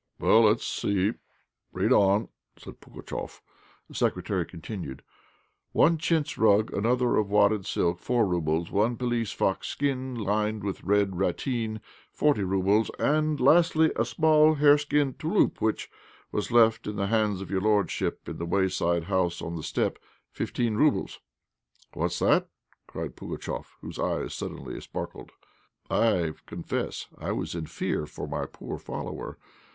"Well, let us see, read on," said Pugatchéf. The Secretary continued "One chintz rug, another of wadded silk, four roubles; one pelisse fox skin lined with red ratteen, forty roubles; and lastly, a small hareskin 'touloup,' which was left in the hands of your lordship in the wayside house on the steppe, fifteen roubles." "What's that?" cried Pugatchéf, whose eyes suddenly sparkled. I confess I was in fear for my poor follower.